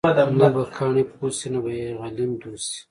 نه به کاڼې پوست شي، نه به غلیم دوست شي.